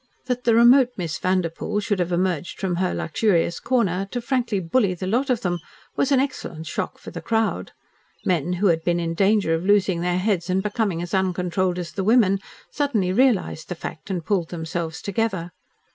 That the remote Miss Vanderpoel should have emerged from her luxurious corner to frankly bully the lot of them was an excellent shock for the crowd. Men, who had been in danger of losing their heads and becoming as uncontrolled as the women, suddenly realised the fact and pulled themselves together.